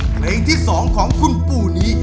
เพลงที่๒ของคุณปู่นี้